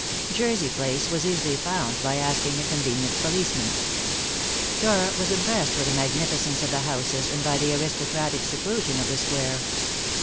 Jersey Place was easily found by asking a convenient policeman. Dora was impressed with the magnificence of the houses and by the aristocratic seclusion of the square.